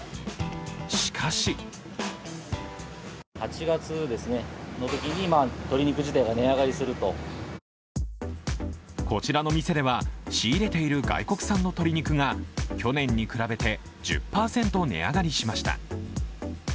しかしこちらの店では仕入れている外国産の鶏肉が去年に比べて１０％値上がりしました。